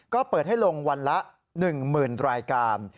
ก็เปิดให้ลงวันละ๑๐๐๐รายการ